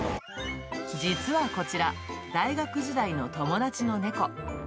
実はこちら、大学時代の友達の猫。